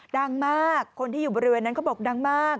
ดังมากคนที่อยู่บริเวณนั้นเขาบอกดังมาก